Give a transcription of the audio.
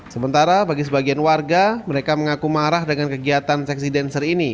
sementara bagi sebagian warga mereka mengaku marah dengan kegiatan seksi dancer ini